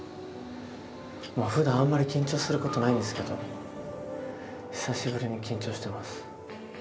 ふだんあんまり緊張することないんですけど久しぶりに緊張してます。